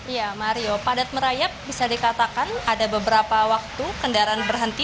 ya mario padat merayap bisa dikatakan ada beberapa waktu kendaraan berhenti